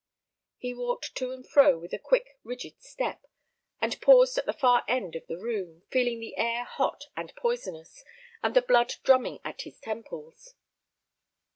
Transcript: He walked to and fro with a quick, rigid step, and paused at the far end of the room, feeling the air hot and poisonous, and the blood drumming at his temples.